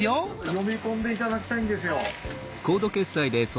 読み込んで頂きたいんですよ。